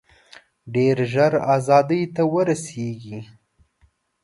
ډېر ژر آزادۍ ته ورسیږي.